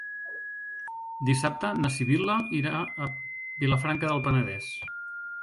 Dissabte na Sibil·la irà a Vilafranca del Penedès.